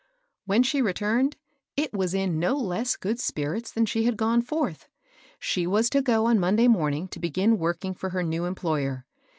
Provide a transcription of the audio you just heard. When she returned, it was in no less good spirits than she had gone forth. She was to go on Monday morning to begin working for her new employer.